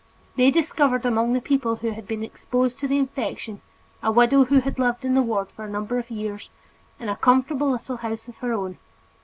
They discovered among the people who had been exposed to the infection, a widow who had lived in the ward for a number of years, in a comfortable little house of her own.